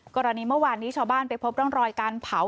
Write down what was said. กรณีเมื่อวานนี้ชาวบ้านไปพบร่องรอยการเผา